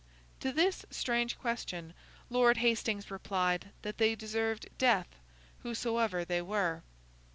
To this strange question, Lord Hastings replied, that they deserved death, whosoever they were.